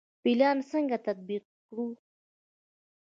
پلان څنګه تطبیق کړو؟